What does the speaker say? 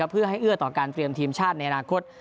เพื่อให้เอื้อต่อการเตรียมทีมชาติในอนาคต